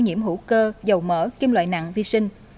hữu cơ dầu mỡ kim loại nặng vi sinh